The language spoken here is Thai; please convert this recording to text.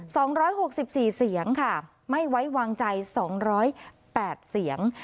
สองร้อยหกสิบสี่เสียงค่ะไม่ไว้วางใจสองร้อยแปดเสียง